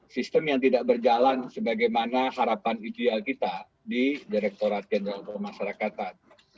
sistem yang tidak berjalan sebagaimana harapan ideal kita di direkturat jenderal pemasarakatan